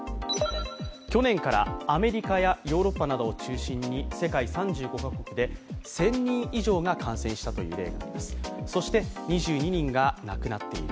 去年からアメリカやヨーロッパを中心に３５か国で１０００人以上が報告されていてそして２２人が亡くなっている。